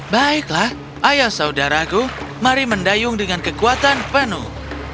baiklah ayo saudaraku mari mendayung dengan kekuatan penuh